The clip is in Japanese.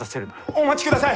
お待ちください！